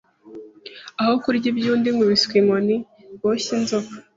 Aho kurya iby' undi nkubiswe inkoni boshye inzoka